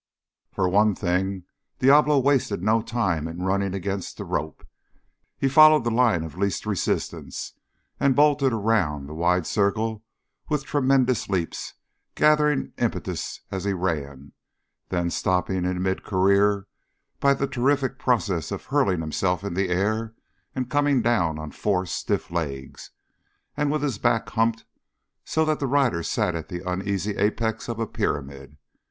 For one thing Diablo wasted no time running against the rope. He followed the line of least resistance and bolted around the wide circle with tremendous leaps, gathering impetus as he ran then stopping in mid career by the terrific process of hurling himself in the air and coming down on four stiff legs and with his back humped so that the rider sat at the uneasy apex of a pyramid.